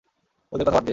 ওদের কথা বাদ দে।